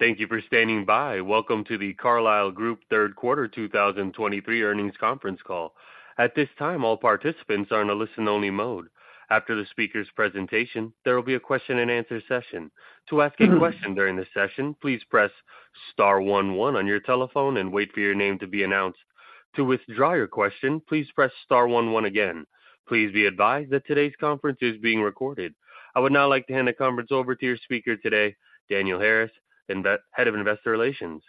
Thank you for standing by. Welcome to The Carlyle Group third quarter 2023 earnings conference call. At this time, all participants are in a listen-only mode. After the speaker's presentation, there will be a question-and-answer session. To ask a question during the session, please press star one one on your telephone and wait for your name to be announced. To withdraw your question, please press star one one again. Please be advised that today's conference is being recorded. I would now like to hand the conference over to your speaker today, Daniel Harris, Head of Investor Relations.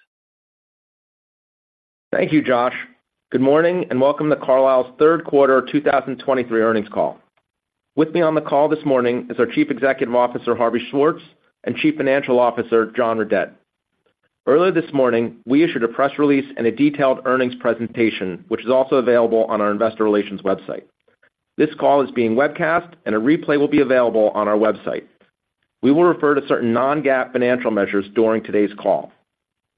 Thank you, Josh. Good morning, and welcome to Carlyle's third quarter 2023 earnings call. With me on the call this morning is our Chief Executive Officer, Harvey Schwartz, and Chief Financial Officer, John Redett. Earlier this morning, we issued a press release and a detailed earnings presentation, which is also available on our investor relations website. This call is being webcast, and a replay will be available on our website. We will refer to certain non-GAAP financial measures during today's call.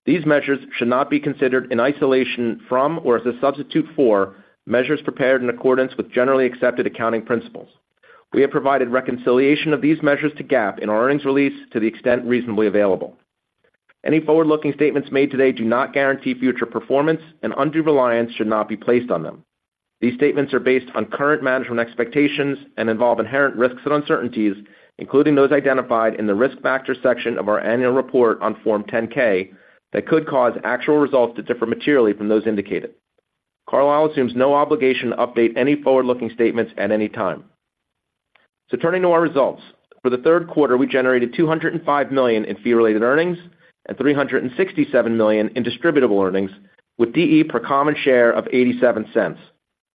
These measures should not be considered in isolation from or as a substitute for measures prepared in accordance with generally accepted accounting principles. We have provided reconciliation of these measures to GAAP in our earnings release to the extent reasonably available. Any forward-looking statements made today do not guarantee future performance, and undue reliance should not be placed on them. These statements are based on current management expectations and involve inherent risks and uncertainties, including those identi fied in the risk factors section of our annual report on Form 10-K, that could cause actual results to differ materially from those indicated. Carlyle assumes no obligation to update any forward-looking statements at any time. So turning to our results. For the third quarter, we generated $205 million in fee-related earnings and $367 million in distributable earnings, with DE per common share of $0.87.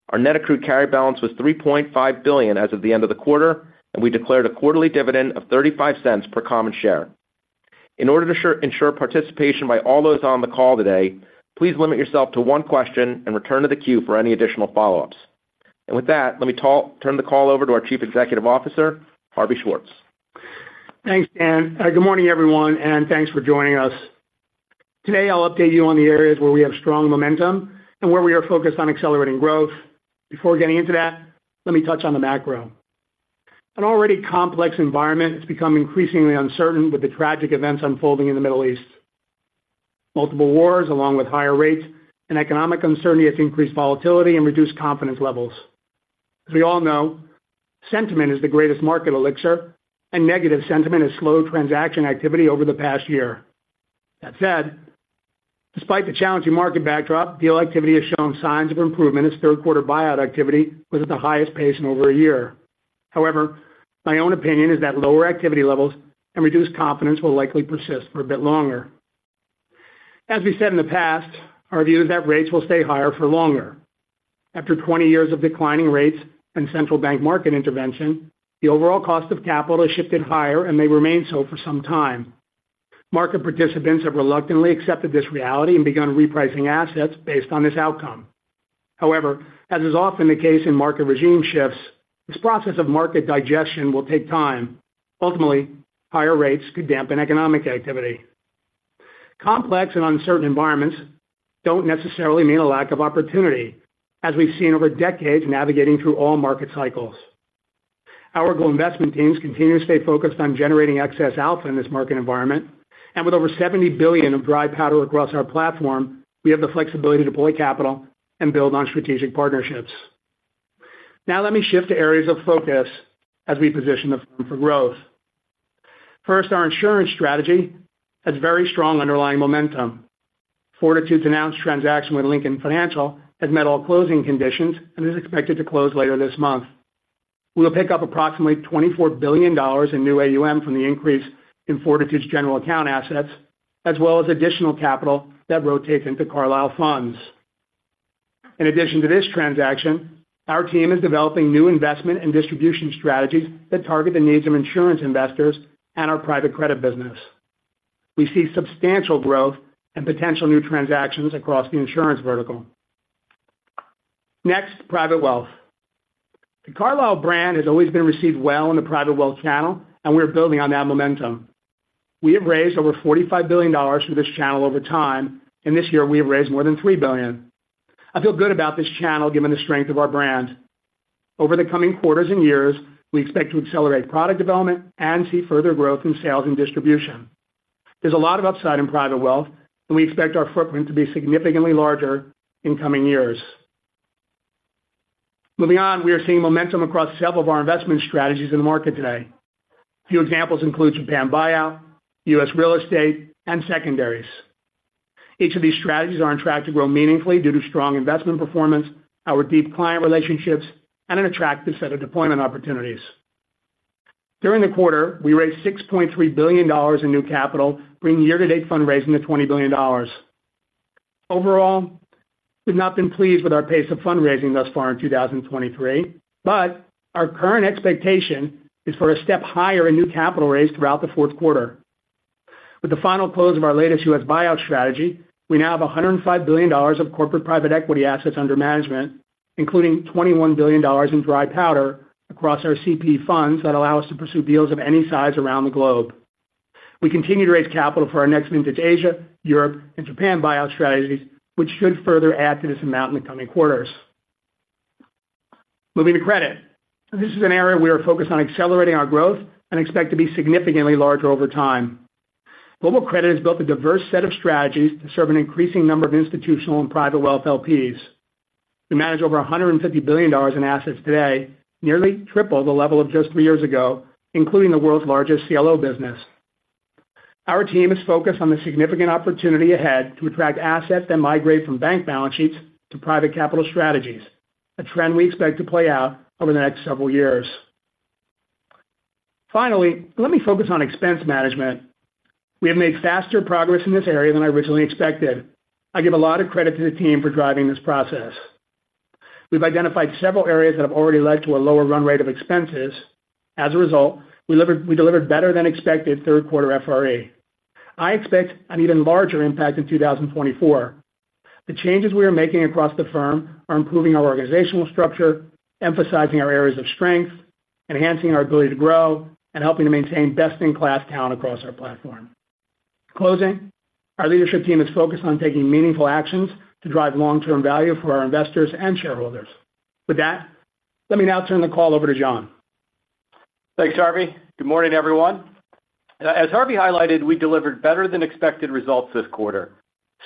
Our net accrued carry balance was $3.5 billion as of the end of the quarter, and we declared a quarterly dividend of $0.35 per common share. In order to ensure participation by all those on the call today, please limit yourself to one question and return to the queue for any additional follow-ups. And with that, let me turn the call over to our Chief Executive Officer, Harvey Schwartz. Thanks, Dan. Good morning, everyone, and thanks for joining us. Today, I'll update you on the areas where we have strong momentum and where we are focused on accelerating growth. Before getting into that, let me touch on the macro. An already complex environment has become increasingly uncertain with the tragic events unfolding in the Middle East. Multiple wars, along with higher rates and economic uncertainty, have increased volatility and reduced confidence levels. As we all know, sentiment is the greatest market elixir, and negative sentiment has slowed transaction activity over the past year. That said, despite the challenging market backdrop, deal activity has shown signs of improvement as third quarter buyout activity was at the highest pace in over a year. However, my own opinion is that lower activity levels and reduced confidence will likely persist for a bit longer. As we said in the past, our view is that rates will stay higher for longer. After 20 years of declining rates and central bank market intervention, the overall cost of capital has shifted higher and may remain so for some time. Market participants have reluctantly accepted this reality and begun repricing assets based on this outcome. However, as is often the case in market regime shifts, this process of market digestion will take time. Ultimately, higher rates could dampen economic activity. Complex and uncertain environments don't necessarily mean a lack of opportunity, as we've seen over decades navigating through all market cycles. Our global investment teams continue to stay focused on generating excess alpha in this market environment, and with over $70 billion of dry powder across our platform, we have the flexibility to deploy capital and build on strategic partnerships. Now let me shift to areas of focus as we position the firm for growth. First, our insurance strategy has very strong underlying momentum. Fortitude's announced transaction with Lincoln Financial has met all closing conditions and is expected to close later this month. We will pick up approximately $24 billion in new AUM from the increase in Fortitude's general account assets, as well as additional capital that rotates into Carlyle funds. In addition to this transaction, our team is developing new investment and distribution strategies that target the needs of insurance investors and our private credit business. We see substantial growth and potential new transactions across the insurance vertical. Next, private wealth. The Carlyle brand has always been received well in the private wealth channel, and we're building on that momentum. We have raised over $45 billion through this channel over time, and this year we have raised more than $3 billion. I feel good about this channel, given the strength of our brand. Over the coming quarters and years, we expect to accelerate product development and see further growth in sales and distribution. There's a lot of upside in private wealth, and we expect our footprint to be significantly larger in coming years. Moving on, we are seeing momentum across several of our investment strategies in the market today. A few examples include Japan Buyout, U.S. Real Estate, and Secondaries. Each of these strategies are on track to grow meaningfully due to strong investment performance, our deep client relationships, and an attractive set of deployment opportunities. During the quarter, we raised $6.3 billion in new capital, bringing year-to-date fundraising to $20 billion. Overall, we've not been pleased with our pace of fundraising thus far in 2023, but our current expectation is for a step higher in new capital raised throughout the fourth quarter. With the final close of our latest U.S. buyout strategy, we now have $105 billion of corporate private equity assets under management, including $21 billion in dry powder across our CPE funds that allow us to pursue deals of any size around the globe. We continue to raise capital for our next vintage Asia, Europe, and Japan buyout strategies, which should further add to this amount in the coming quarters.... Moving to credit. This is an area we are focused on accelerating our growth and expect to be significantly larger over time. Global Credit has built a diverse set of strategies to serve an increasing number of institutional and private wealth LPs. We manage over $150 billion in assets today, nearly triple the level of just three years ago, including the world's largest CLO business. Our team is focused on the significant opportunity ahead to attract assets that migrate from bank balance sheets to private capital strategies, a trend we expect to play out over the next several years. Finally, let me focus on expense management. We have made faster progress in this area than I originally expected. I give a lot of credit to the team for driving this process. We've identified several areas that have already led to a lower run rate of expenses. As a result, we delivered, we delivered better than expected third quarter FRE. I expect an even larger impact in 2024. The changes we are making across the firm are improving our organizational structure, emphasizing our areas of strength, enhancing our ability to grow, and helping to maintain best-in-class talent across our platform. Closing, our leadership team is focused on taking meaningful actions to drive long-term value for our investors and shareholders. With that, let me now turn the call over to John. Thanks, Harvey. Good morning, everyone. As Harvey highlighted, we delivered better than expected results this quarter,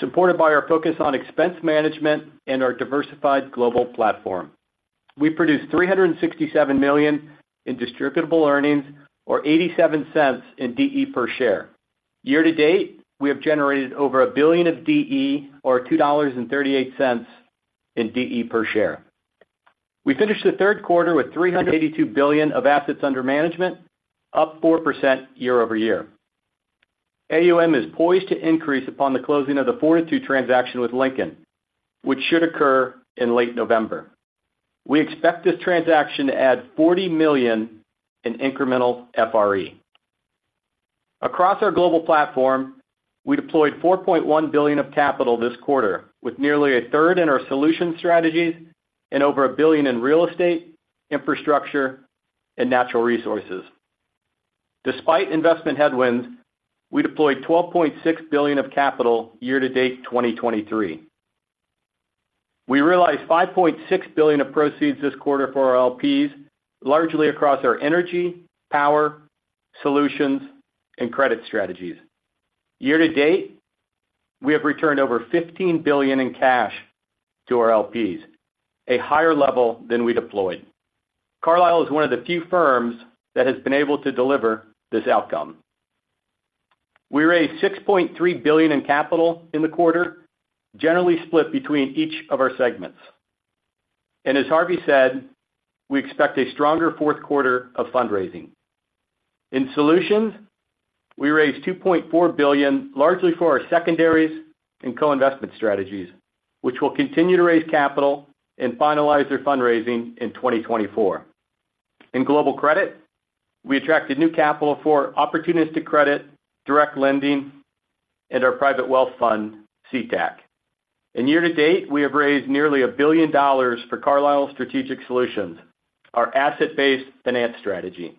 supported by our focus on expense management and our diversified global platform. We produced $367 million in distributable earnings, or $0.87 in DE per share. Year-to-date, we have generated over $1 billion of DE, or $2.38 in DE per share. We finished the third quarter with $382 billion of assets under management, up 4% year-over-year. AUM is poised to increase upon the closing of the Fortitude transaction with Lincoln, which should occur in late November. We expect this transaction to add $40 million in incremental FRE. Across our global platform, we deployed $4.1 billion of capital this quarter, with nearly a third in our solutions strategies and over $1 billion in real estate, infrastructure, and natural resources. Despite investment headwinds, we deployed $12.6 billion of capital year to date, 2023. We realized $5.6 billion of proceeds this quarter for our LPs, largely across our energy, power, solutions, and credit strategies. Year to date, we have returned over $15 billion in cash to our LPs, a higher level than we deployed. Carlyle is one of the few firms that has been able to deliver this outcome. We raised $6.3 billion in capital in the quarter, generally split between each of our segments. And as Harvey said, we expect a stronger fourth quarter of fundraising. In Solutions, we raised $2.4 billion, largely for our secondaries and co-investment strategies, which will continue to raise capital and finalize their fundraising in 2024. In Global Credit, we attracted new capital for opportunistic credit, direct lending, and our private wealth fund, CTAC. Year to date, we have raised nearly $1 billion for Carlyle Strategic Solutions, our asset-based finance strategy.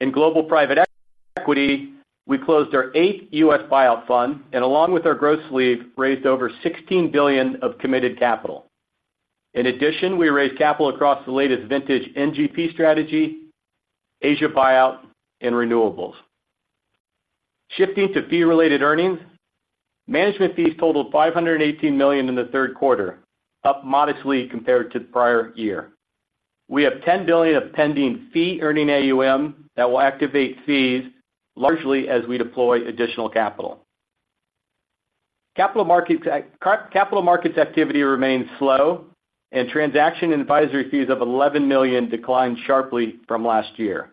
In Global Private Equity, we closed our 8th U.S. buyout fund, and along with our growth sleeve, raised over $16 billion of committed capital. In addition, we raised capital across the latest vintage NGP strategy, Asia Buyout, and Renewables. Shifting to fee-related earnings, management fees totaled $518 million in the third quarter, up modestly compared to the prior year. We have $10 billion of pending fee-earning AUM that will activate fees largely as we deploy additional capital. Capital markets activity remains slow, and transaction and advisory fees of $11 million declined sharply from last year.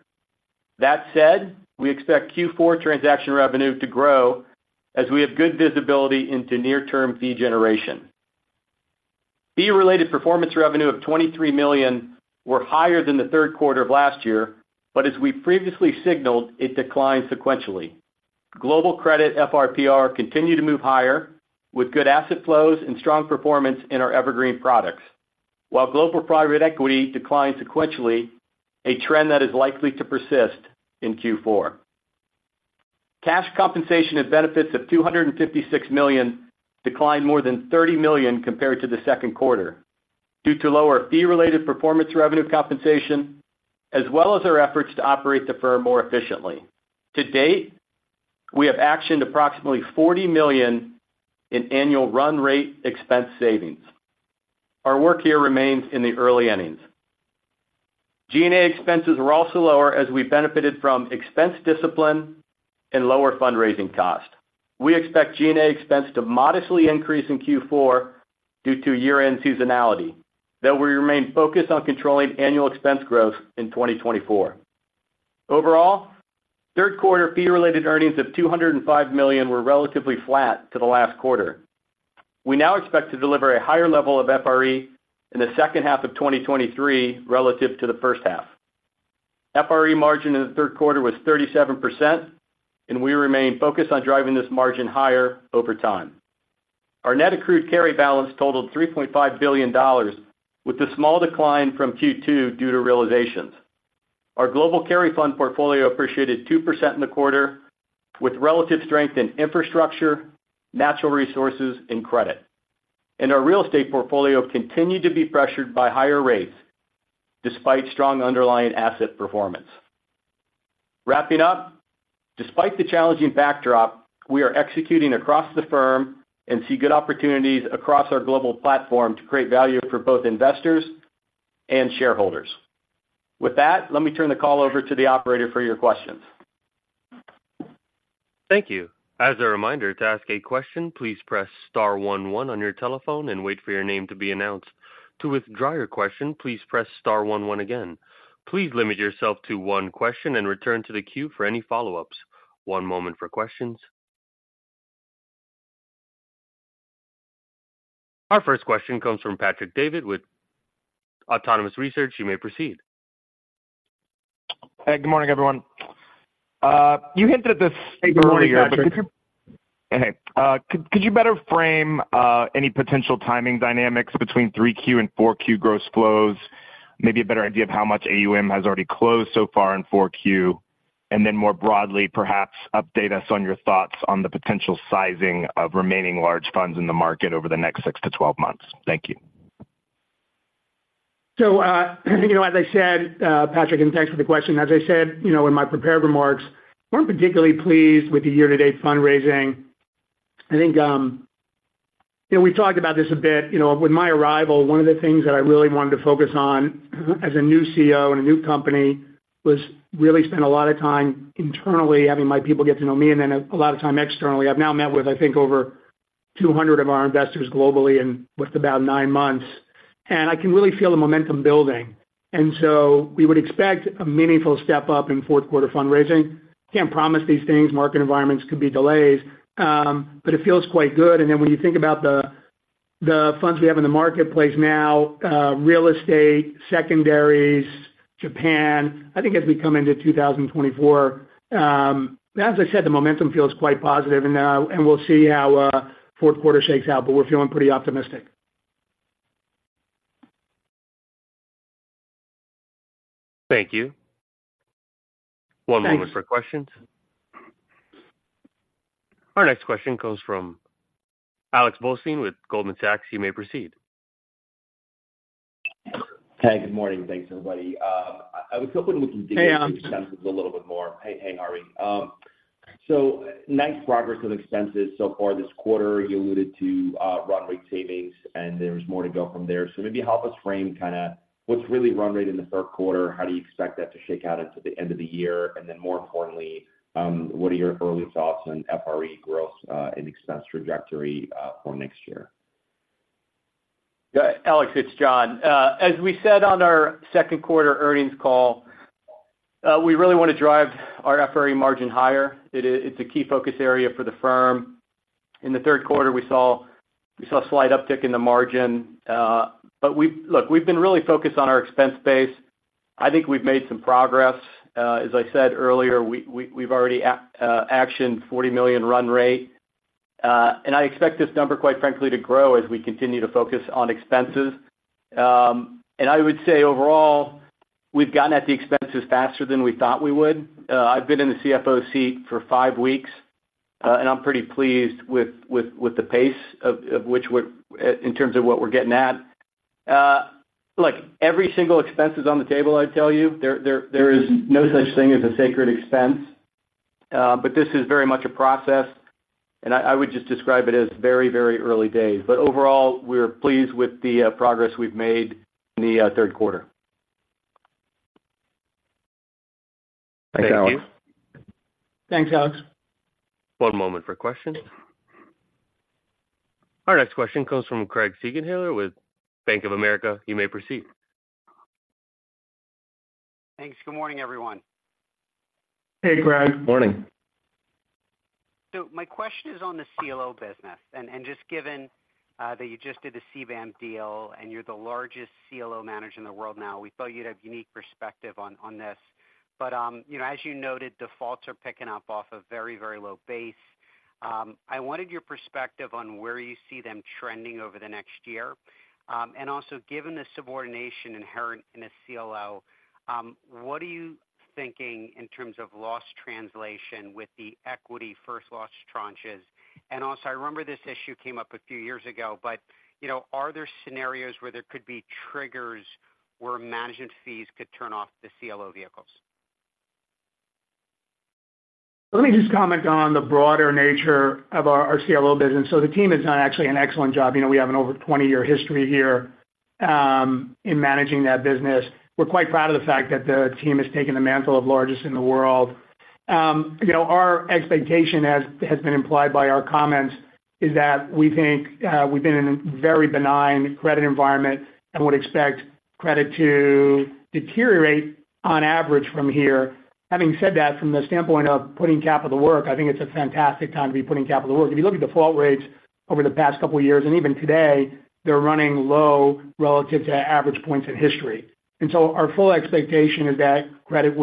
That said, we expect Q4 transaction revenue to grow as we have good visibility into near-term fee generation. Fee-related performance revenue of $23 million were higher than the third quarter of last year, but as we previously signaled, it declined sequentially. Global Credit FRPR continued to move higher, with good asset flows and strong performance in our evergreen products, while Global Private Equity declined sequentially, a trend that is likely to persist in Q4. Cash compensation and benefits of $256 million declined more than $30 million compared to the second quarter due to lower fee-related performance revenue compensation, as well as our efforts to operate the firm more efficiently. To date, we have actioned approximately $40 million in annual run rate expense savings. Our work here remains in the early innings. G&A expenses were also lower as we benefited from expense discipline and lower fundraising costs. We expect G&A expense to modestly increase in Q4 due to year-end seasonality, though we remain focused on controlling annual expense growth in 2024. Overall, third quarter fee-related earnings of $205 million were relatively flat to the last quarter. We now expect to deliver a higher level of FRE in the second half of 2023 relative to the first half. FRE margin in the third quarter was 37%, and we remain focused on driving this margin higher over time. Our net accrued carry balance totaled $3.5 billion, with a small decline from Q2 due to realizations.... Our global carry fund portfolio appreciated 2% in the quarter, with relative strength in infrastructure, natural resources, and credit. Our real estate portfolio continued to be pressured by higher rates, despite strong underlying asset performance. Wrapping up, despite the challenging backdrop, we are executing across the firm and see good opportunities across our global platform to create value for both investors and shareholders. With that, let me turn the call over to the operator for your questions. Thank you. As a reminder, to ask a question, please press star one one on your telephone and wait for your name to be announced. To withdraw your question, please press star one one again. Please limit yourself to one question and return to the queue for any follow-ups. One moment for questions. Our first question comes from Patrick Davitt with Autonomous Research. You may proceed. Hey, good morning, everyone. You hinted at this earlier- Hey, good morning, Patrick. Okay. Could you better frame any potential timing dynamics between 3Q and 4Q gross flows? Maybe a better idea of how much AUM has already closed so far in 4Q. And then more broadly, perhaps update us on your thoughts on the potential sizing of remaining large funds in the market over the next six to 12 months. Thank you. So, you know, as I said, Patrick, and thanks for the question. As I said, you know, in my prepared remarks, we're particularly pleased with the year-to-date fundraising. I think, you know, we talked about this a bit. You know, with my arrival, one of the things that I really wanted to focus on as a new CEO and a new company, was really spend a lot of time internally, having my people get to know me, and then a lot of time externally. I've now met with, I think, over 200 of our investors globally in just about nine months, and I can really feel the momentum building. And so we would expect a meaningful step up in fourth quarter fundraising. Can't promise these things. Market environments could be delays, but it feels quite good. And then when you think about the funds we have in the marketplace now, real estate, secondaries, Japan, I think as we come into 2024, as I said, the momentum feels quite positive, and we'll see how fourth quarter shakes out, but we're feeling pretty optimistic. Thank you. Thanks. One moment for questions. Our next question comes from Alex Blostein with Goldman Sachs. You may proceed. Hey, good morning. Thanks, everybody. I was hoping we could dig- Hey, Alex. -into the senses a little bit more. Hey, hey, Harvey. So nice progress with expenses so far this quarter. You alluded to run rate savings, and there's more to go from there. So maybe help us frame kinda what's really run rate in the third quarter. How do you expect that to shake out into the end of the year? And then more importantly, what are your early thoughts on FRE growth and expense trajectory for next year? Alex, it's John. As we said on our second quarter earnings call, we really want to drive our FRE margin higher. It is. It's a key focus area for the firm. In the third quarter, we saw a slight uptick in the margin, but we've. Look, we've been really focused on our expense base. I think we've made some progress. As I said earlier, we've already actioned $40 million run rate, and I expect this number, quite frankly, to grow as we continue to focus on expenses. And I would say overall, we've gotten at the expenses faster than we thought we would. I've been in the CFO seat for five weeks, and I'm pretty pleased with the pace of which we're in terms of what we're getting at. Look, every single expense is on the table, I tell you. There is no such thing as a sacred expense, but this is very much a process, and I would just describe it as very, very early days. But overall, we're pleased with the progress we've made in the third quarter. Thanks, Alex. Thank you. Thanks, Alex. One moment for questions. Our next question comes from Craig Siegenthaler with Bank of America. You may proceed. Thanks. Good morning, everyone. Hey, Craig. Morning. So my question is on the CLO business, and just given that you just did a CBAM deal, and you're the largest CLO manager in the world now, we thought you'd have unique perspective on this. But, you know, as you noted, defaults are picking up off a very, very low base. I wanted your perspective on where you see them trending over the next year. And also, given the subordination inherent in a CLO, what are you thinking in terms of loss translation with the equity first loss tranches? And also, I remember this issue came up a few years ago, but, you know, are there scenarios where there could be triggers where management fees could turn off the CLO vehicles? Let me just comment on the broader nature of our CLO business. So the team is doing actually an excellent job. You know, we have an over 20-year history here in managing that business. We're quite proud of the fact that the team has taken the mantle of largest in the world. You know, our expectation, as has been implied by our comments, is that we think we've been in a very benign credit environment and would expect credit to deteriorate on average from here. Having said that, from the standpoint of putting capital to work, I think it's a fantastic time to be putting capital to work. If you look at default rates over the past couple of years, and even today, they're running low relative to average points in history. And so our full expectation is that credit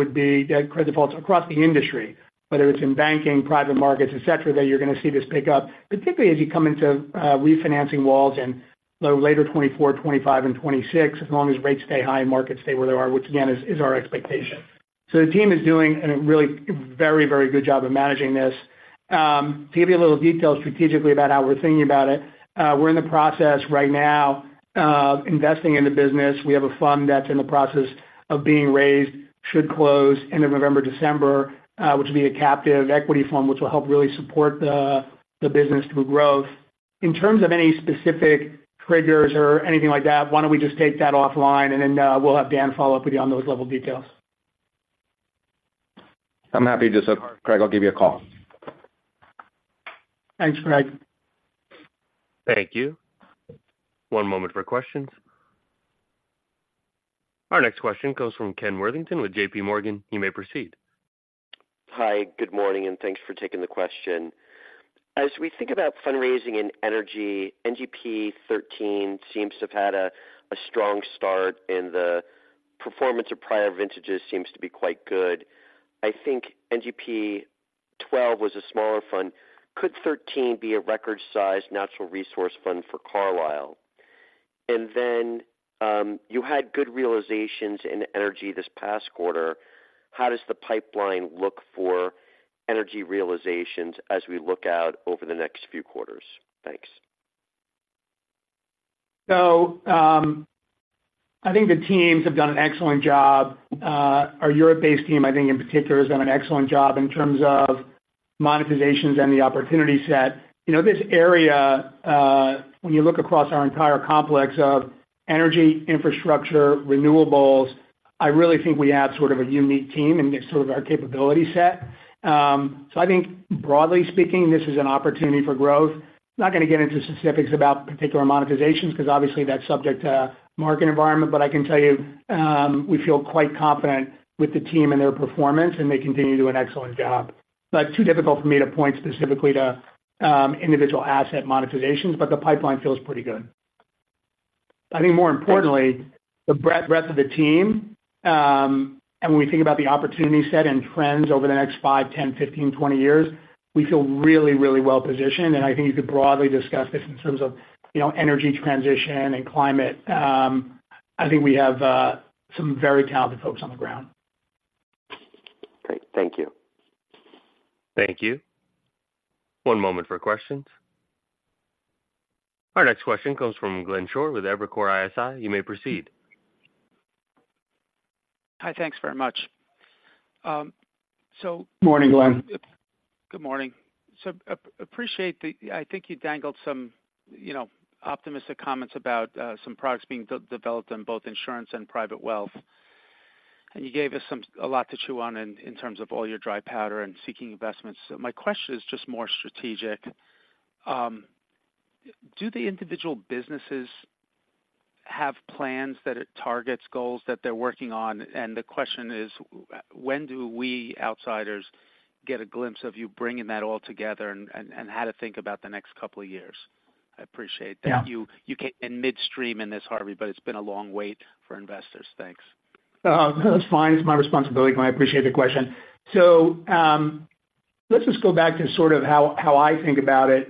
defaults across the industry, whether it's in banking, private markets, et cetera, that you're gonna see this pick up, particularly as you come into refinancing walls in the later 2024, 2025, and 2026, as long as rates stay high and markets stay where they are, which again is our expectation. So the team is doing a really very, very good job of managing this. To give you a little detail strategically about how we're thinking about it, we're in the process right now investing in the business. We have a fund that's in the process of being raised, should close end of November, December, which will be a captive equity fund, which will help really support the business through growth. In terms of any specific triggers or anything like that, why don't we just take that offline, and then, we'll have Dan follow up with you on those level details. I'm happy to, Craig. I'll give you a call. Thanks, Craig. Thank you. One moment for questions. Our next question goes from Ken Worthington with JP Morgan. You may proceed. Hi, good morning, and thanks for taking the question. As we think about fundraising in energy, NGP 13 seems to have had a strong start, and the performance of prior vintages seems to be quite good. I think NGP 12 was a smaller fund. Could 13 be a record-sized natural resource fund for Carlyle? And then, you had good realizations in energy this past quarter. How does the pipeline look for energy realizations as we look out over the next few quarters? Thanks. So, I think the teams have done an excellent job. Our Europe-based team, I think, in particular, has done an excellent job in terms of monetizations and the opportunity set. You know, this area, when you look across our entire complex of energy, infrastructure, renewables, I really think we have sort of a unique team and sort of our capability set. So I think broadly speaking, this is an opportunity for growth. Not going to get into specifics about particular monetizations, because obviously that's subject to market environment, but I can tell you, we feel quite confident with the team and their performance, and they continue to do an excellent job. But too difficult for me to point specifically to, individual asset monetizations, but the pipeline feels pretty good. I think more importantly, the breadth of the team, and when we think about the opportunity set and trends over the next five, 10, 15, 20 years, we feel really, really well positioned, and I think you could broadly discuss this in terms of, you know, energy transition and climate. I think we have some very talented folks on the ground. Great. Thank you. Thank you. One moment for questions. Our next question comes from Glenn Schorr with Evercore ISI. You may proceed. Hi, thanks very much. Morning, Glenn. Good morning. So appreciate the... I think you dangled some, you know, optimistic comments about, some products being developed in both insurance and private wealth. And you gave us some, a lot to chew on in terms of all your dry powder and seeking investments. So my question is just more strategic. Do the individual businesses have plans that it targets goals that they're working on? And the question is, when do we, outsiders, get a glimpse of you bringing that all together and, and, and how to think about the next couple of years? I appreciate that. Yeah. midstream in this, Harvey, but it's been a long wait for investors. Thanks. That's fine. It's my responsibility, Glenn. I appreciate the question. So, let's just go back to sort of how I think about it,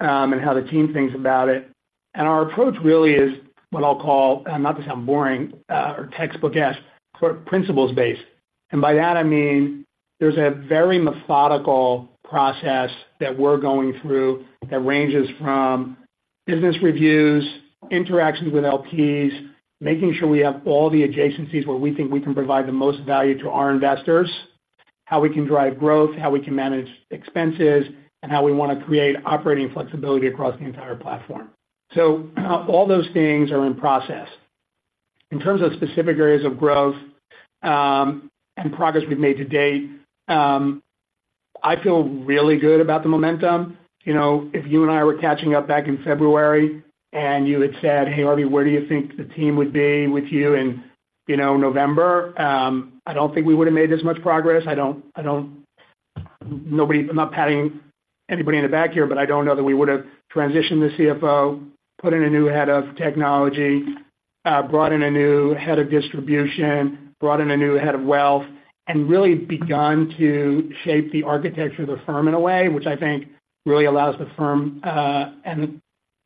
and how the team thinks about it. And our approach really is what I'll call, and not to sound boring, or textbook-esque, but principles-based. And by that, I mean there's a very methodical process that we're going through that ranges from business reviews, interactions with LPs, making sure we have all the adjacencies where we think we can provide the most value to our investors, how we can drive growth, how we can manage expenses, and how we want to create operating flexibility across the entire platform. So all those things are in process. In terms of specific areas of growth, and progress we've made to date, I feel really good about the momentum. You know, if you and I were catching up back in February, and you had said, "Hey, Harvey, where do you think the team would be with you in, you know, November?" I don't think we would have made this much progress. I don't—nobody, I'm not patting anybody on the back here, but I don't know that we would have transitioned the CFO, put in a new head of technology, brought in a new head of distribution, brought in a new head of wealth, and really begun to shape the architecture of the firm in a way which I think really allows the firm and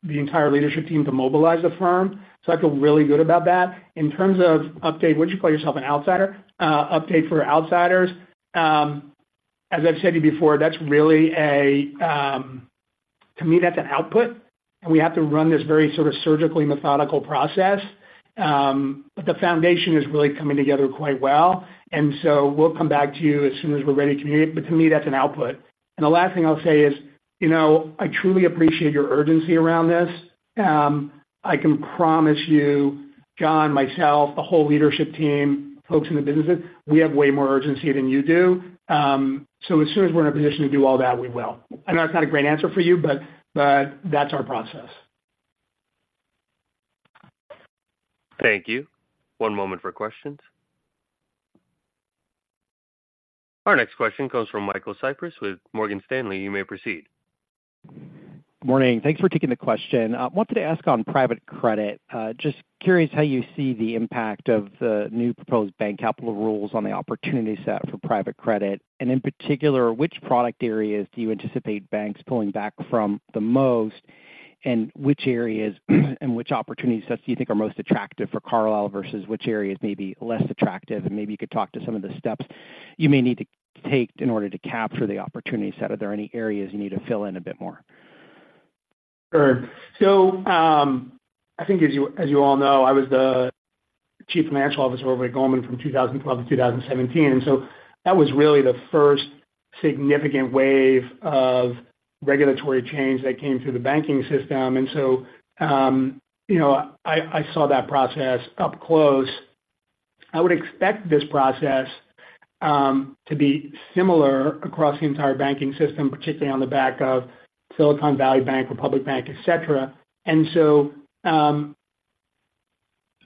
the entire leadership team to mobilize the firm. So I feel really good about that. In terms of update, would you call yourself an outsider? Update for outsiders, as I've said to you before, that's really to me, that's an output, and we have to run this very sort of surgically methodical process, but the foundation is really coming together quite well. And so we'll come back to you as soon as we're ready to communicate, but to me, that's an output. And the last thing I'll say is, you know, I truly appreciate your urgency around this. I can promise you, John, myself, the whole leadership team, folks in the businesses, we have way more urgency than you do. So as soon as we're in a position to do all that, we will. I know it's not a great answer for you, but that's our process. Thank you. One moment for questions. Our next question comes from Michael Cyprys with Morgan Stanley. You may proceed. Morning. Thanks for taking the question. I wanted to ask on private credit, just curious how you see the impact of the new proposed bank capital rules on the opportunity set for private credit, and in particular, which product areas do you anticipate banks pulling back from the most?... and which areas and which opportunities do you think are most attractive for Carlyle versus which areas may be less attractive? Maybe you could talk to some of the steps you may need to take in order to capture the opportunity set. Are there any areas you need to fill in a bit more? Sure. So, I think as you, as you all know, I was the chief financial officer over at Goldman from 2012 to 2017, and so that was really the first significant wave of regulatory change that came through the banking system. And so, you know, I, I saw that process up close. I would expect this process to be similar across the entire banking system, particularly on the back of Silicon Valley Bank, First Republic Bank, et cetera. And so,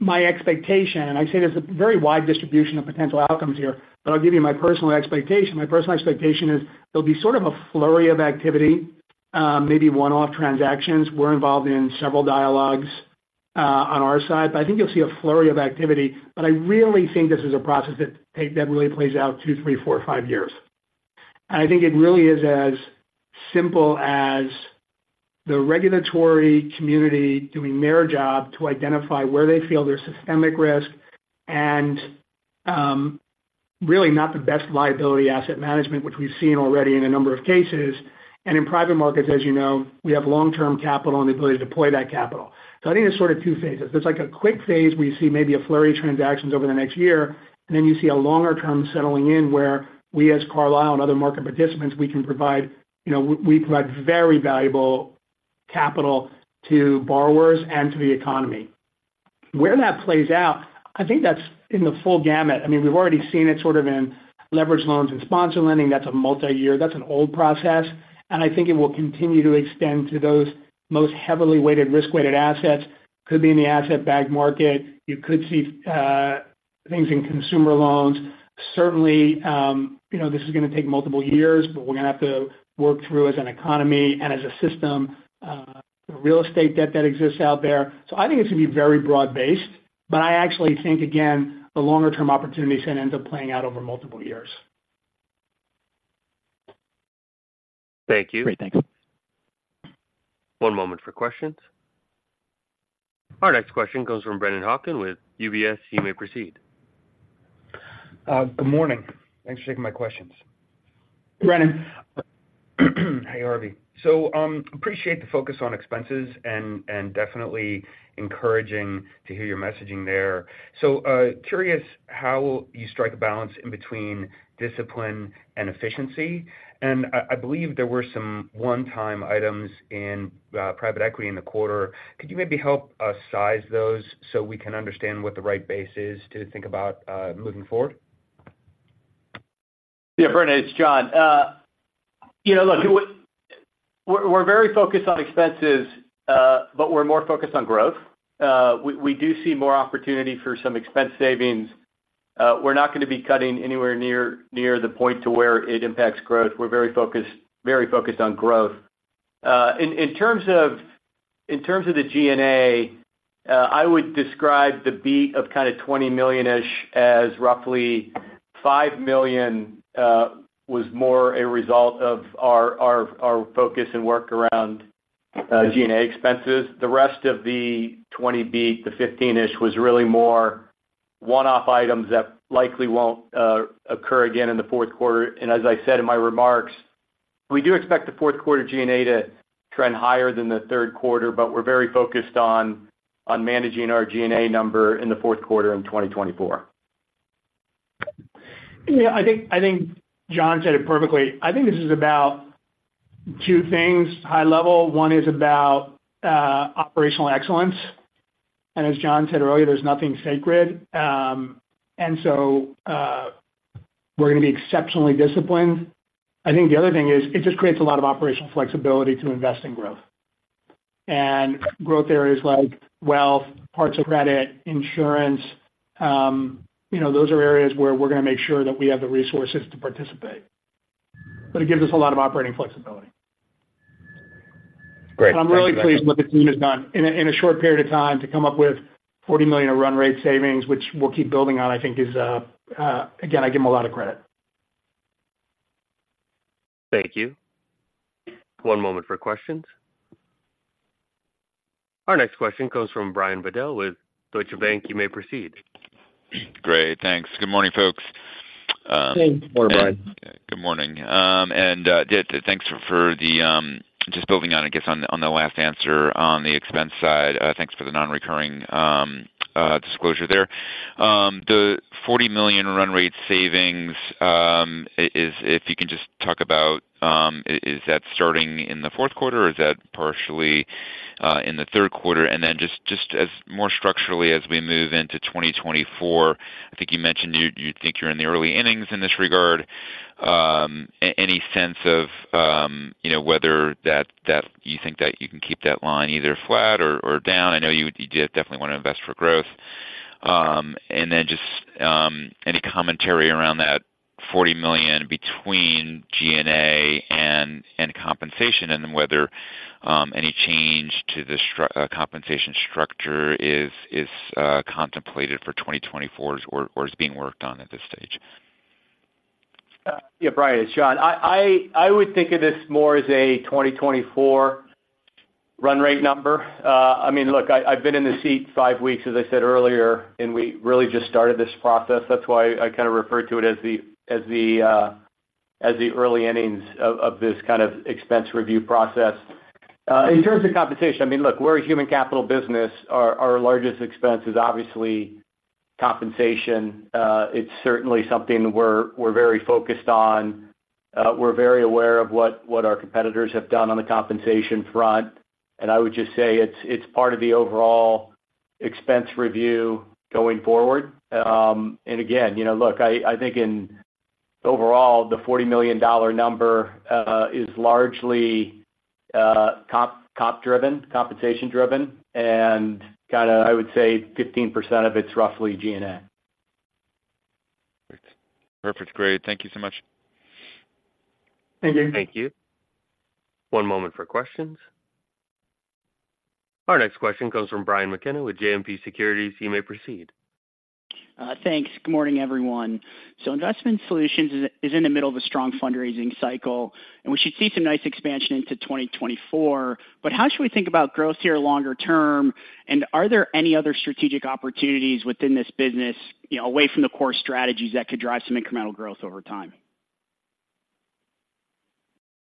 my expectation, and I say there's a very wide distribution of potential outcomes here, but I'll give you my personal expectation. My personal expectation is there'll be sort of a flurry of activity, maybe one-off transactions. We're involved in several dialogues, on our side, but I think you'll see a flurry of activity. But I really think this is a process that really plays out two, three, four, five years. And I think it really is as simple as the regulatory community doing their job to identify where they feel there's systemic risk and really not the best liability asset management, which we've seen already in a number of cases. And in private markets, as you know, we have long-term capital and the ability to deploy that capital. So I think there's sort of two phases. There's like a quick phase where you see maybe a flurry of transactions over the next year, and then you see a longer term settling in, where we as Carlyle and other market participants, we can provide, you know, we provide very valuable capital to borrowers and to the economy. Where that plays out, I think that's in the full gamut. I mean, we've already seen it sort of in leverage loans and sponsor lending. That's a multiyear... That's an old process, and I think it will continue to extend to those most heavily weighted, risk-weighted assets. Could be in the asset-backed market. You could see things in consumer loans. Certainly, you know, this is going to take multiple years, but we're going to have to work through as an economy and as a system the real estate debt that exists out there. So I think it's going to be very broad-based, but I actually think, again, the longer-term opportunity is going to end up playing out over multiple years. Thank you. Great. Thanks. One moment for questions. Our next question comes from Brennan Hawken with UBS. You may proceed. Good morning. Thanks for taking my questions. Brennan. Hey, Harvey. So, appreciate the focus on expenses and definitely encouraging to hear your messaging there. So, curious how you strike a balance in between discipline and efficiency. And I believe there were some one-time items in private equity in the quarter. Could you maybe help us size those so we can understand what the right base is to think about moving forward? Yeah, Brennan, it's John. You know, look, we're, we're very focused on expenses, but we're more focused on growth. We do see more opportunity for some expense savings. We're not going to be cutting anywhere near the point to where it impacts growth. We're very focused, very focused on growth. In terms of the G&A, I would describe the beat of kind of $20 million-ish as roughly $5 million was more a result of our focus and work around G&A expenses. The rest of the twenty beat, the 15-ish, was really more one-off items that likely won't occur again in the fourth quarter. As I said in my remarks, we do expect the fourth quarter G&A to trend higher than the third quarter, but we're very focused on managing our G&A number in the fourth quarter in 2024. Yeah, I think, I think John said it perfectly. I think this is about two things, high level. One is about operational excellence, and as John said earlier, there's nothing sacred. And so, we're going to be exceptionally disciplined. I think the other thing is it just creates a lot of operational flexibility to invest in growth. And growth areas like wealth, parts of credit, insurance, you know, those are areas where we're going to make sure that we have the resources to participate. But it gives us a lot of operating flexibility. Great. I'm really pleased with what the team has done. In a short period of time, to come up with $40 million of run rate savings, which we'll keep building on, I think, is. Again, I give them a lot of credit. Thank you. One moment for questions. Our next question comes from Brian Bedell with Deutsche Bank. You may proceed. Great. Thanks. Good morning, folks. Good morning, Brian. Good morning, and thanks for the... Just building on, I guess, on the last answer on the expense side, thanks for the non-recurring disclosure there. The $40 million run rate savings—is that starting in the fourth quarter, or is that partially in the third quarter? And then just as more structurally as we move into 2024, I think you mentioned you think you're in the early innings in this regard. Any sense of, you know, whether that you think that you can keep that line either flat or down? I know you definitely want to invest for growth. And then just any commentary around that $40 million between G&A and compensation, and then whether any change to the compensation structure is contemplated for 2024 or is being worked on at this stage?... Yeah, Brian, it's John. I would think of this more as a 2024 run rate number. I mean, look, I've been in the seat five weeks, as I said earlier, and we really just started this process. That's why I kind of refer to it as the early innings of this kind of expense review process. In terms of compensation, I mean, look, we're a human capital business. Our largest expense is obviously compensation. It's certainly something we're very focused on. We're very aware of what our competitors have done on the compensation front, and I would just say it's part of the overall expense review going forward. And again, you know, look, I, I think in overall, the $40 million number is largely comp driven, compensation driven, and kinda, I would say 15% of it’s roughly G&A. Great. Perfect. Great. Thank you so much. Thank you. Thank you. One moment for questions. Our next question comes from Brian McKenna with JMP Securities. You may proceed. Thanks. Good morning, everyone. Investment Solutions is in the middle of a strong fundraising cycle, and we should see some nice expansion into 2024. But how should we think about growth here longer term, and are there any other strategic opportunities within this business, you know, away from the core strategies that could drive some incremental growth over time?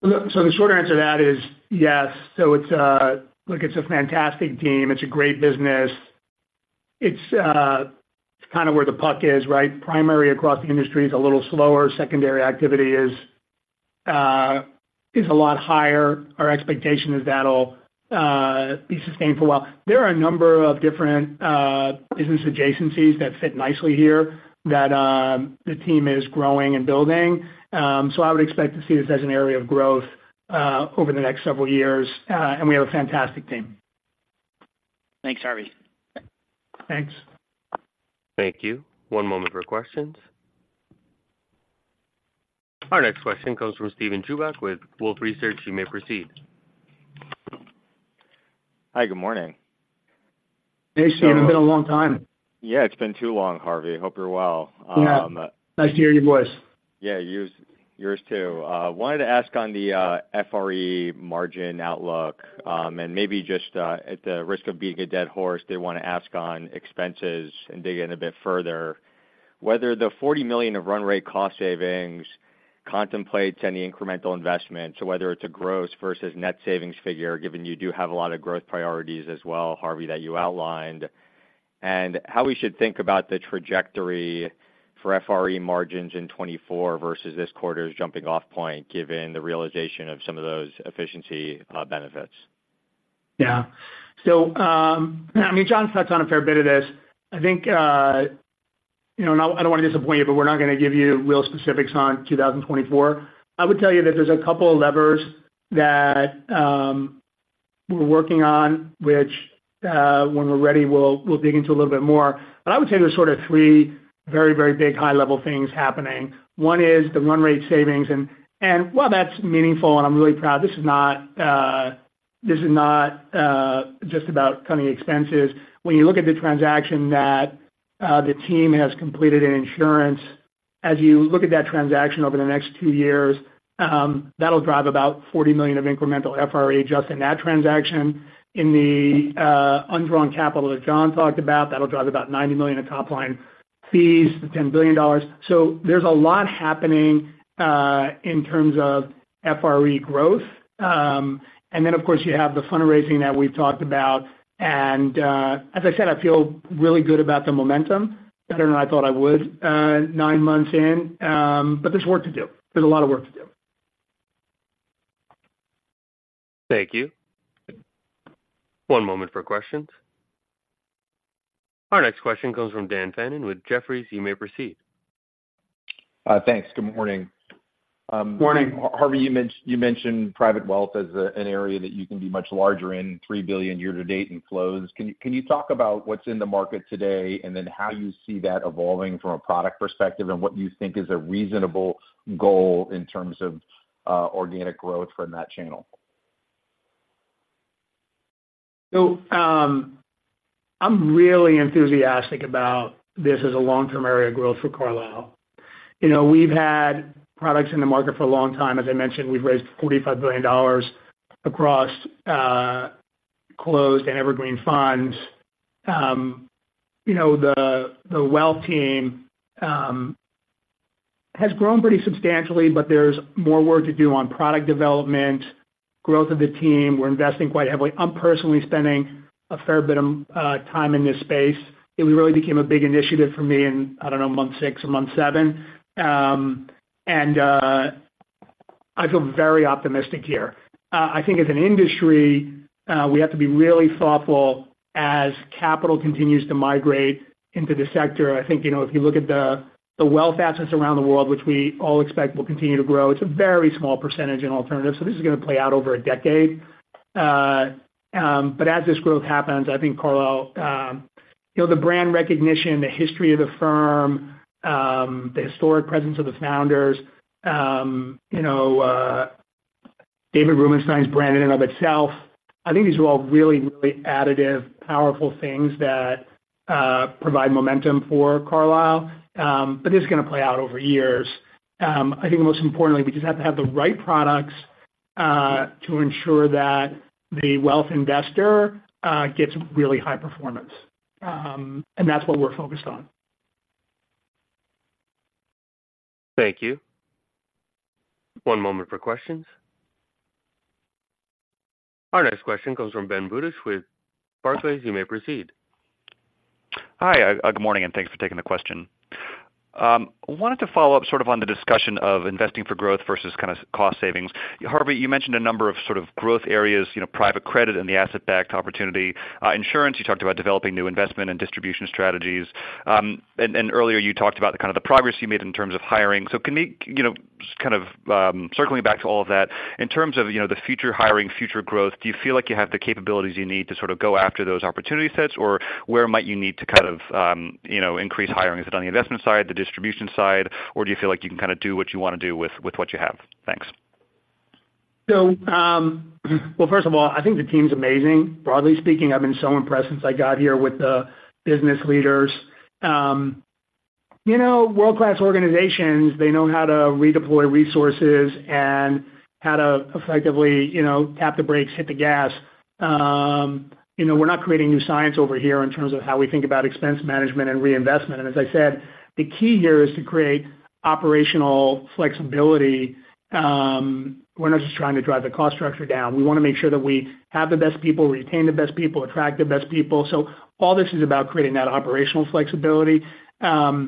Look, so the short answer to that is yes. So it's, look, it's a fantastic team. It's a great business. It's, it's kind of where the puck is, right? Primary across the industry is a little slower. Secondary activity is, is a lot higher. Our expectation is that'll be sustained for a while. There are a number of different business adjacencies that fit nicely here that the team is growing and building. So I would expect to see this as an area of growth over the next several years, and we have a fantastic team. Thanks, Harvey. Thanks. Thank you. One moment for questions. Our next question comes from Steven Chubak with Wolfe Research. You may proceed. Hi, good morning. Hey, Steven, been a long time. Yeah, it's been too long, Harvey. I hope you're well. Yeah. Nice to hear your voice. Yeah, yours, yours too. Wanted to ask on the FRE margin outlook, and maybe just, at the risk of beating a dead horse, did want to ask on expenses and dig in a bit further, whether the $40 million of run rate cost savings contemplates any incremental investment, so whether it's a gross versus net savings figure, given you do have a lot of growth priorities as well, Harvey, that you outlined. And how we should think about the trajectory for FRE margins in 2024 versus this quarter's jumping off point, given the realization of some of those efficiency benefits. Yeah. So, I mean, John touched on a fair bit of this. I think, you know, and I don't want to disappoint you, but we're not going to give you real specifics on 2024. I would tell you that there's a couple of levers that we're working on, which, when we're ready, we'll dig into a little bit more. But I would say there's sort of three very, very big high-level things happening. One is the run rate savings, and while that's meaningful, and I'm really proud, this is not just about cutting expenses. When you look at the transaction that the team has completed in insurance, as you look at that transaction over the next two years, that'll drive about $40 million of incremental FRE just in that transaction. In the undrawn capital that John talked about, that'll drive about $90 million of top-line fees, the $10 billion. So there's a lot happening in terms of FRE growth. And then, of course, you have the fundraising that we've talked about, and as I said, I feel really good about the momentum, better than I thought I would, nine months in, but there's work to do. There's a lot of work to do. Thank you. One moment for questions. Our next question comes from Dan Fannon with Jefferies. You may proceed. Thanks. Good morning. Morning. Harvey, you mentioned private wealth as a, an area that you can be much larger in $3 billion year to date in flows. Can you talk about what's in the market today, and then how you see that evolving from a product perspective, and what you think is a reasonable goal in terms of organic growth from that channel? I'm really enthusiastic about this as a long-term area of growth for Carlyle. You know, we've had products in the market for a long time. As I mentioned, we've raised $45 billion across closed and evergreen funds. You know, the wealth team has grown pretty substantially, but there's more work to do on product development, growth of the team. We're investing quite heavily. I'm personally spending a fair bit of time in this space. It really became a big initiative for me in, I don't know, month six or month seven. I feel very optimistic here. I think as an industry, we have to be really thoughtful as capital continues to migrate into the sector. I think, you know, if you look at the, the wealth assets around the world, which we all expect will continue to grow, it's a very small percentage in alternatives, so this is going to play out over a decade. But as this growth happens, I think Carlyle, you know, the brand recognition, the history of the firm, the historic presence of the founders, you know, David Rubenstein is branded in and of itself. I think these are all really, really additive, powerful things that provide momentum for Carlyle. But this is going to play out over years. I think most importantly, we just have to have the right products to ensure that the wealth investor gets really high performance. And that's what we're focused on. Thank you. One moment for questions. Our next question comes from Ben Budish with Barclays. You may proceed. Hi, good morning, and thanks for taking the question. Wanted to follow up sort of on the discussion of investing for growth versus kind of cost savings. Harvey, you mentioned a number of sort of growth areas, you know, private credit and the asset-backed opportunity. Insurance, you talked about developing new investment and distribution strategies. And earlier you talked about the kind of the progress you made in terms of hiring. So can we—you know, just kind of, you know, circling back to all of that, in terms of, you know, the future hiring, future growth, do you feel like you have the capabilities you need to sort of go after those opportunity sets? Or where might you need to kind of, you know, increase hiring? Is it on the investment side, the distribution side, or do you feel like you can kind of do what you want to do with, with what you have? Thanks. So, well, first of all, I think the team's amazing. Broadly speaking, I've been so impressed since I got here with the business leaders. You know, world-class organizations, they know how to redeploy resources and how to effectively, you know, tap the brakes, hit the gas. You know, we're not creating new science over here in terms of how we think about expense management and reinvestment. And as I said, the key here is to create operational flexibility. We're not just trying to drive the cost structure down. We want to make sure that we have the best people, retain the best people, attract the best people. So all this is about creating that operational flexibility. The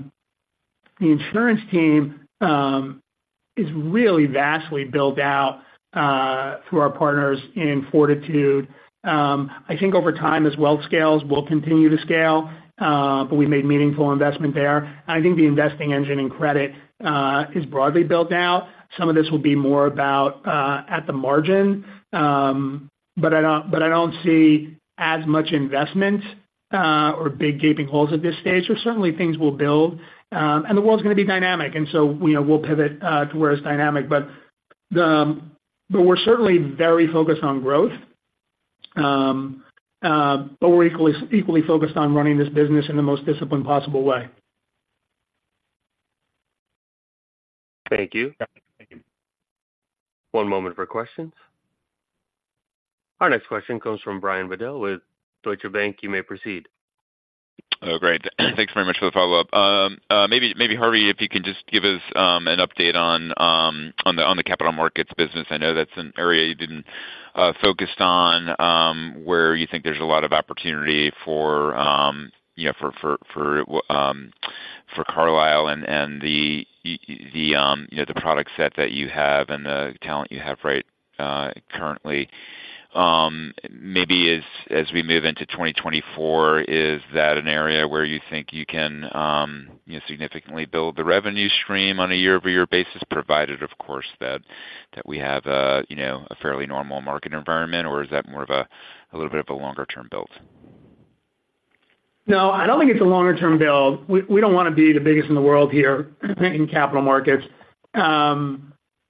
insurance team is really vastly built out through our partners in Fortitude. I think over time, as wealth scales, we'll continue to scale, but we've made meaningful investment there. I think the investing engine in credit is broadly built out. Some of this will be more about at the margin, but I don't, but I don't see as much investment or big gaping holes at this stage. So certainly things will build, and the world's going to be dynamic, and so, you know, we'll pivot to where it's dynamic. But the, but we're certainly very focused on growth. But we're equally, equally focused on running this business in the most disciplined possible way. Thank you. One moment for questions. Our next question comes from Brian Bedell with Deutsche Bank. You may proceed. Oh, great. Thanks very much for the follow-up. Maybe, Harvey, if you could just give us an update on the capital markets business. I know that's an area you didn't focused on, where you think there's a lot of opportunity for, you know, for Carlyle and the product set that you have and the talent you have, right, currently. Maybe as we move into 2024, is that an area where you think you can significantly build the revenue stream on a year-over-year basis, provided, of course, that we have a, you know, a fairly normal market environment? Or is that more of a little bit of a longer-term build? No, I don't think it's a longer-term build. We don't want to be the biggest in the world here in capital markets.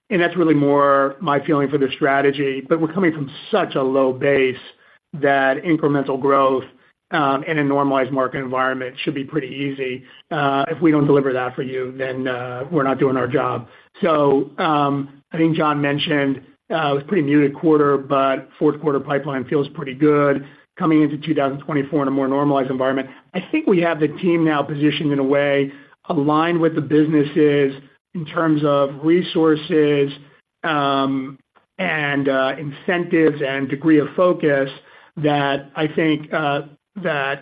And that's really more my feeling for the strategy, but we're coming from such a low base that incremental growth in a normalized market environment should be pretty easy. If we don't deliver that for you, then we're not doing our job. So, I think John mentioned it was a pretty muted quarter, but fourth quarter pipeline feels pretty good. Coming into 2024 in a more normalized environment, I think we have the team now positioned in a way aligned with the businesses in terms of resources, and incentives and degree of focus, that I think that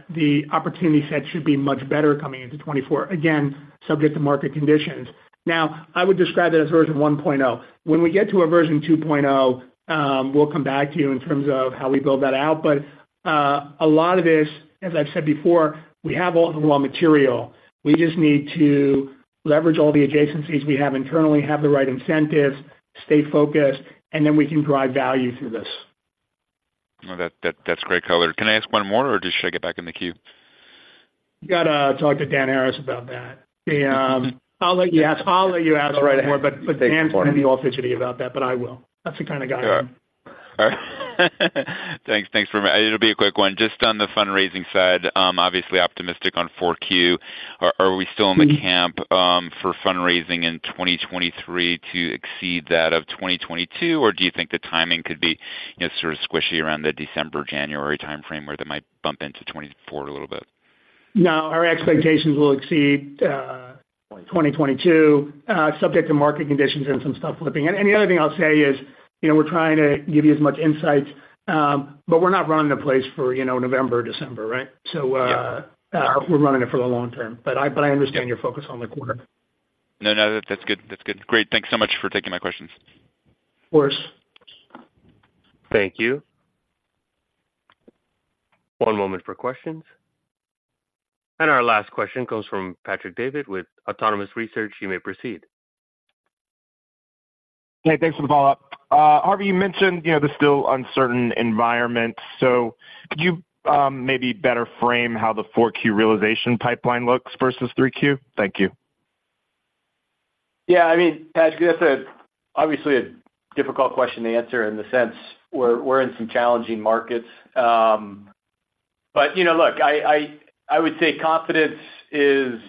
the opportunity set should be much better coming into 2024. Again, subject to market conditions. Now, I would describe it as version 1.0. When we get to a version 2.0, we'll come back to you in terms of how we build that out. But, a lot of this, as I've said before, we have all the raw material. We just need to leverage all the adjacencies we have internally, have the right incentives, stay focused, and then we can drive value through this. Well, that, that's great color. Can I ask one more, or just should I get back in the queue? You got to talk to Dan Harris about that. The... I'll let you ask one more- Go right ahead. But Dan's going to be all fidgety about that, but I will. That's the kind of guy I am. Sure. Thanks. Thanks very much. It'll be a quick one. Just on the fundraising side, obviously optimistic on Q4. Are we still in the camp for fundraising in 2023 to exceed that of 2022, or do you think the timing could be, you know, sort of squishy around the December-January timeframe, where that might bump into 2024 a little bit? No, our expectations will exceed 2022, subject to market conditions and some stuff flipping. The other thing I'll say is, you know, we're trying to give you as much insight, but we're not running the place for, you know, November or December, right? Yeah. We're running it for the long term, but I understand your focus on the quarter. No, no, that's good. That's good. Great. Thanks so much for taking my questions. Of course. Thank you. One moment for questions. Our last question comes from Patrick Davitt with Autonomous Research. You may proceed. Hey, thanks for the follow-up. Harvey, you mentioned, you know, the still uncertain environment, so could you maybe better frame how the 4Q realization pipeline looks versus 3Q? Thank you. Yeah, I mean, Patrick, that's obviously a difficult question to answer in the sense we're in some challenging markets. But you know, look, I would say confidence is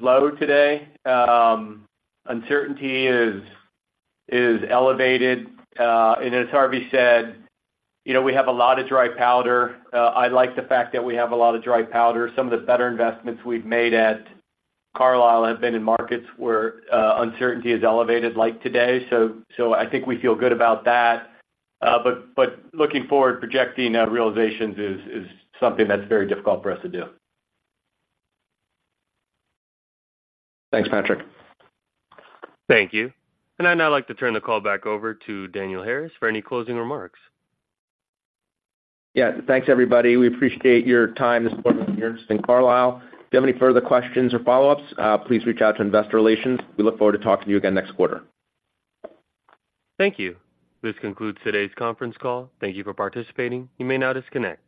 low today. Uncertainty is elevated. And as Harvey said, you know, we have a lot of dry powder. I like the fact that we have a lot of dry powder. Some of the better investments we've made at Carlyle have been in markets where uncertainty is elevated like today. So I think we feel good about that. But looking forward, projecting realizations is something that's very difficult for us to do. Thanks, Patrick. Thank you. I'd now like to turn the call back over to Daniel Harris for any closing remarks. Yeah. Thanks, everybody. We appreciate your time this morning here in Carlyle. If you have any further questions or follow-ups, please reach out to Investor Relations. We look forward to talking to you again next quarter. Thank you. This concludes today's conference call. Thank you for participating. You may now disconnect.